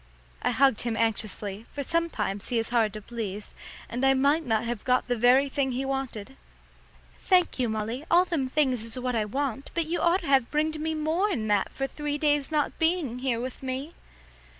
I hugged him up anxiously, for sometimes he is hard to please, and I might not have got the very thing he wanted. "Thank you, Molly, all them things is what I want, but you oughter have bringed more'n that for three days not being here with me."